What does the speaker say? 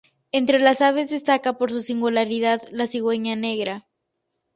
Entre las aves destaca por su singularidad la cigüeña negra.